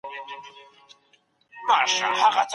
قرآن کريم او مبارک آحاديث دواړو ته د صبر تلقين کوي.